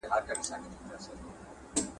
ایا هغه ماشوم چې په غېږ کې و ویده شوی دی؟